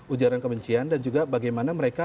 ujaran kebencian dan juga bagaimana mereka